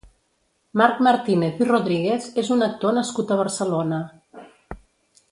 Marc Martínez i Rodríguez és un actor nascut a Barcelona.